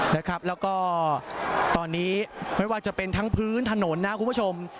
แล้วก็ตอนนี้ไม่ว่าจะเป็นทั้งพื้นถนนนะครับคุณผู้ชม